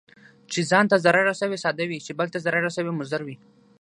چي ځان ته ضرر رسوي، ساده وي، چې بل ته ضرر رسوي مضر وي.